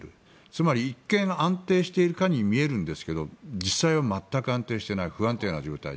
つまり一見安定しているかに見えるんですが実際は全く安定していない不安定な状態。